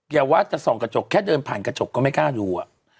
อย่าว่าจะส่องกระจกแค่เดินผ่านกระจกก็ไม่กล้าดู